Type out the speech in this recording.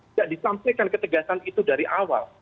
tidak disampaikan ketegasan itu dari awal